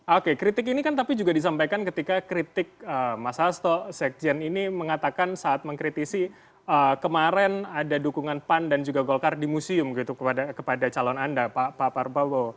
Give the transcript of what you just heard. oke kritik ini kan tapi juga disampaikan ketika kritik mas hasto sekjen ini mengatakan saat mengkritisi kemarin ada dukungan pan dan juga golkar di museum gitu kepada calon anda pak parbowo